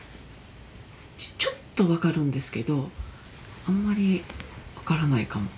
ちょっと分かるんですけどあんまり分からないかも。